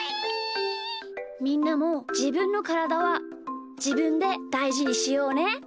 みんなもじぶんのからだはじぶんでだいじにしようね！